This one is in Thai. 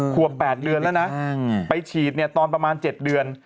ขวบ๘เดือนแล้วนะไปฉีดตอนประมาณ๗เดือน